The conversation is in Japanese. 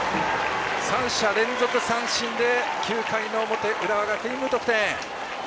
三者連続三振で９回の表、浦和学院、無得点。